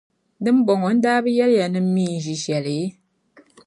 Di nibɔŋɔ, n daa bi yεli ya ni m mi yi ni ʒi shɛli?